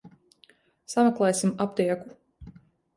Sameklēsim aptieku.